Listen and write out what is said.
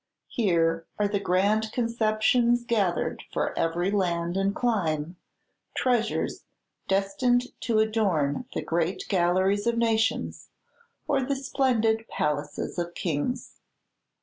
Here are the grand conceptions gathered for every land and clime, treasures destined to adorn the great galleries of nations, or the splendid palaces of kings.